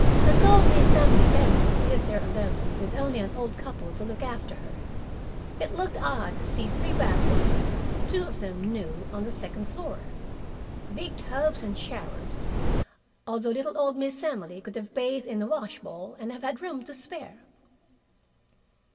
As old Miss Emily Benton lived there alone, with only an old couple to look after her, it looked odd to see three bathrooms, two of them new, on the second floor. Big tubs and showers, although little old Miss Emily could have bathed in the washbowl and have had room to spare.